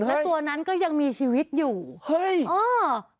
แล้วตัวนั้นก็ยังมีชีวิตอยู่เฮ้ยเออ